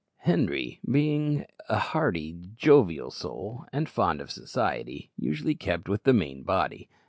Henri, being a hearty, jovial soul and fond of society, usually kept with the main body.